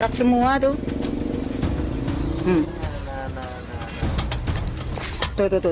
arak semua tuh